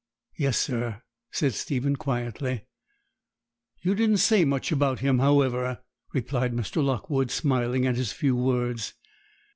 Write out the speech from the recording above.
'Yes, sir,' said Stephen quietly. 'You don't say much about him, however,' replied Mr. Lockwood, smiling at his few words.